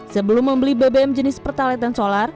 sebelum membeli bbm jenis pertalite dan solar